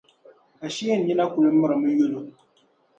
Ashee n nina kuli mirimi yolo.